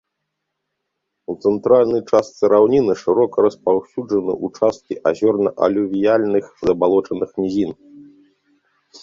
У цэнтральнай частцы раўніны шырока распаўсюджаны ўчасткі азёрна-алювіяльных забалочаных нізін.